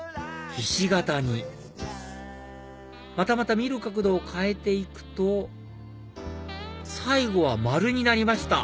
ひし形にまたまた見る角度を変えていくと最後は丸になりました